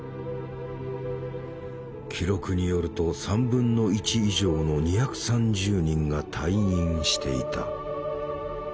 記録によると３分の１以上の２３０人が退院していた。